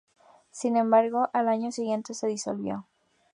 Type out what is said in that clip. Sin embargo, al año siguiente se disolvió.